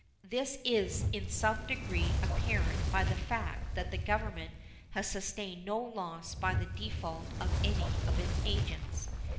This is in some degree apparent from the fact that the Government has sustained no loss by the default of any of its agents.